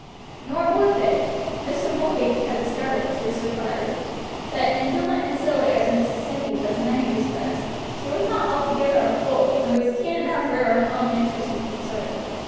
Nor were they. Mr. Mulready had discovered, to his surprise, that, indolent and silly as Mrs. Sankey was in many respects, she was not altogether a fool, and was keen enough where her own interests were concerned.